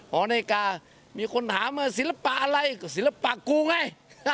หอนาฬิกามีคนถามว่าศิลปะอะไรก็ศิลปะกูไง